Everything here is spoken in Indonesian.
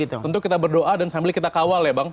tentu kita berdoa dan sambil kita kawal ya bang